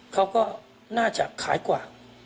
เขาก็น่าจะขายกว่า